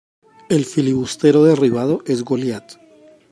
El filibustero derribado es Goliat.